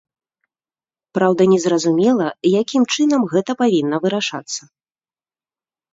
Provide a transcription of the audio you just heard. Праўда, незразумела, якім чынам гэта павінна вырашацца.